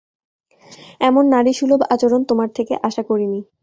এমন নারীসুলভ আচরণ তোমার থেকে আশা করিনি।